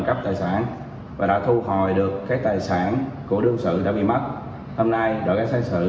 cắp tài sản và đã thu hồi được các tài sản của đơn sự đã bị mất hôm nay đội cảnh sát hành sự